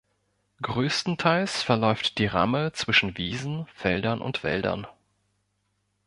Größtenteils verläuft die Ramme zwischen Wiesen, Feldern und Wäldern.